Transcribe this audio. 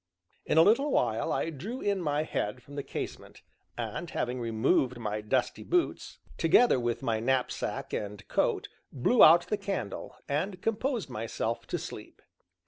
In a little while, I drew in my head from the casement, and, having removed my dusty boots, together with my knapsack and coat, blew out the candle, and composed myself to sleep.